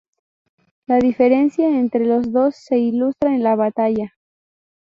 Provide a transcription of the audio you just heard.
La diferencia entre las dos se ilustra en la batalla.